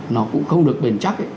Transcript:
nó cũng không được bền chắc ấy